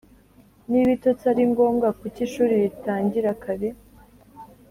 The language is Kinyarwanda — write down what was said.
niba ibitotsi ari ngombwa, kuki ishuri ritangira kare?!